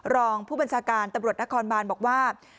รองผู้บัญชาการตำรวจนครบานบอกว่า